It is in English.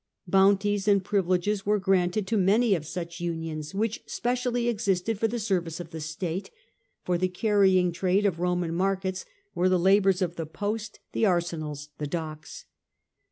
Bounties and privileges were granted to many of such unions, which specially existed for the service of the state, for the carrying trade of Roman markets, or the labours of the post, the arsenals, the docks.